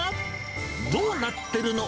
どうなってるの？